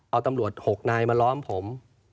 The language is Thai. เอาตำรวจ๖นายมาล้อมผม